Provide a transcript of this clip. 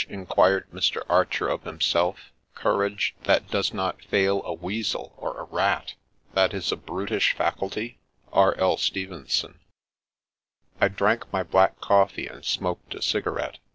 inquired Mr. Archer of him self, ' Couraee, ... that does not fail a weasel or a rat — that is a brutish faculty? '*'— R. L. Stkvsnson. I DRANK my black coffee and smoked a cigarette.